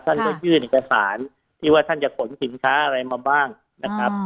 ท่านก็ยื่นเอกสารที่ว่าท่านจะขนสินค้าอะไรมาบ้างนะครับ